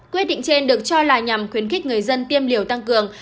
quyết định trên được cho là nhằm khuyến khích người dân tiêm liều tăng cường